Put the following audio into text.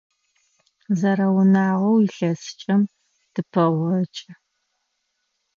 Зэрэунагъоу илъэсыкӏэм тыпэгъокӏы.